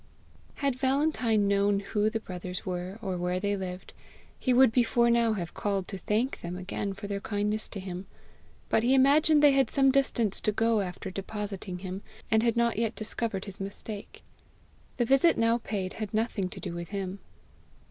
Had Valentine known who the brothers were, or where they lived, he would before now have called to thank them again for their kindness to him; but he imagined they had some distance to go after depositing him, and had not yet discovered his mistake. The visit now paid had nothing to do with him.